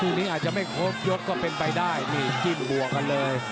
คู่นี้อาจจะไม่ครบยกก็เป็นไปได้นี่จิ้นบวกกันเลย